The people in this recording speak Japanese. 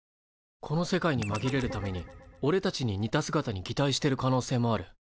この世界にまぎれるためにおれたちに似た姿にぎたいしてる可能性もある。